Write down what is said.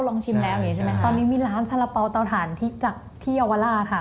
ลองชิมแล้วอย่างนี้ใช่ไหมตอนนี้มีร้านสาระเปาตาวถ่านที่ยาวราคา